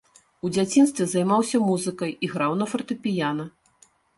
У дзяцінстве займаўся музыкай, іграў на фартэпіяна.